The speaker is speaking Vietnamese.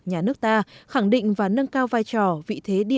nhà nước ta khẳng định và nâng cao vai trò vị thế địa